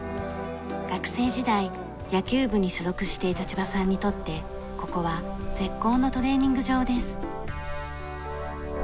学生時代野球部に所属していた千葉さんにとってここは絶好のトレーニング場です。